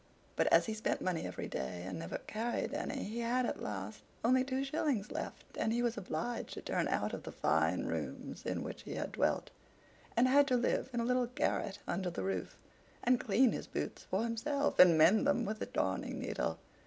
But as he spent money every day and never carried any, he had at last only two shillings left; and he was obliged to turn out of the fine rooms in which he had dwelt, and had to live in a little garret under the roof, and clean his boots for himself, and mend them with a darning needle.